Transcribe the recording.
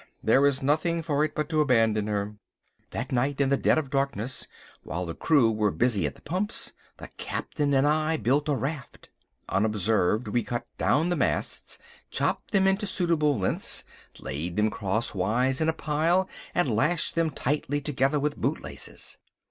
There is nothing for it but to abandon her." That night, in the dead of darkness, while the crew were busy at the pumps, the Captain and I built a raft. Unobserved we cut down the masts, chopped them into suitable lengths, laid them crosswise in a pile and lashed them tightly together with bootlaces.